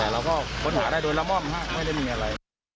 เราก็ค้นหาได้โดยละม่อมไม่ได้มีอะไร